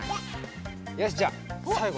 よしじゃあさいご。